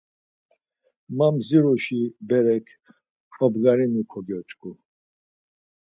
Ma mzirusi berek obgarinu kocoç̌u.